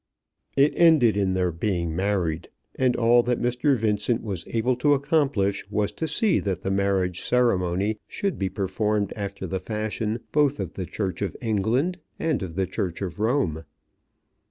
It ended in their being married, and all that Mr. Vincent was able to accomplish was to see that the marriage ceremony should be performed after the fashion both of the Church of England and of the Church of Rome.